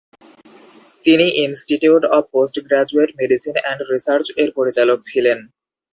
তিনি institute of post graduate medicine and research এর পরিচালক ছিলেন।